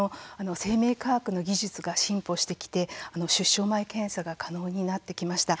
生命科学の技術が進歩してきて出生前検査が可能になってきました。